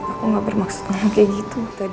aku gak bermaksud nunggu kayak gitu tadi